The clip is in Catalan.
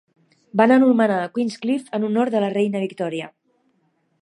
Van anomenar Queenscliff en honor de la reina Victòria.